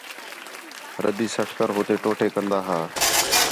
رَدّی سٹ کر ہوتے ٹوٹے کندا ہا